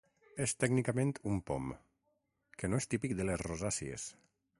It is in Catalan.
És tècnicament un pom, que no és típic de les rosàcies.